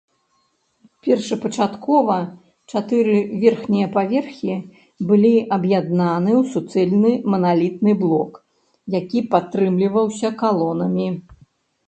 Першапачаткова чатыры верхнія паверхі былі аб'яднаны ў суцэльны маналітны блок, які падтрымліваўся калонамі.